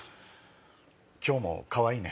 今日もかわいいね。